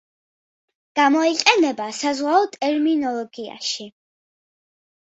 გამოიყენება საზღვაო ტერმინოლოგიაში.